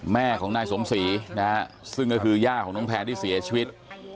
แม่ของนายสมศรีนะฮะซึ่งก็คือย่าของน้องแพนที่เสียชีวิต